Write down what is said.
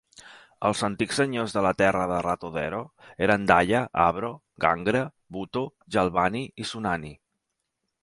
Els antics senyors de la terra de Ratodero eren Daya, Abro, Ghanghra, Bhutto, Jalbani i sunnani.